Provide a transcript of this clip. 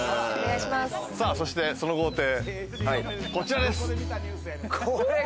そして、その豪邸、こちらです。